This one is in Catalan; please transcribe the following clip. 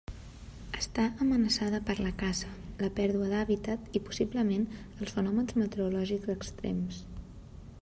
Està amenaçada per la caça, la pèrdua d'hàbitat i possiblement els fenòmens meteorològics extrems.